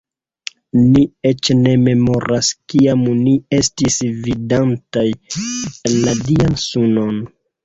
Ni eĉ ne memoras, kiam ni estis vidantaj la Dian sunon.